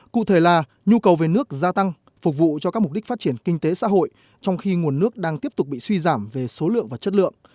cụ thể là nhu cầu về nước gia tăng phục vụ cho các mục đích phát triển kinh tế xã hội trong khi nguồn nước đang tiếp tục bị suy giảm về số lượng và chất lượng